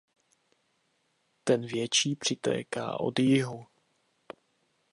Ten větší přitéká od jihu.